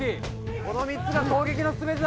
この３つが攻撃の全てだ！